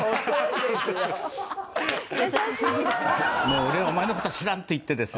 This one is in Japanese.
「もう俺お前の事知らん！」って言ってですね